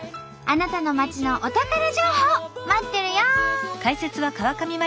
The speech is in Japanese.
あなたの町のお宝情報待っとるよ！